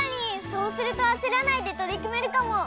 そうするとあせらないでとりくめるかも！